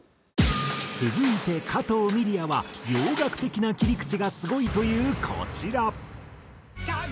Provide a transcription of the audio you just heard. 続いて加藤ミリヤは洋楽的な切り口がすごいというこちら。